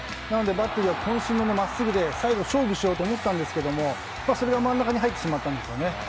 なのでバッテリーは渾身のまっすぐで最後、勝負しようと思ったんですけどそれは真ん中に入ってしまったんですよね。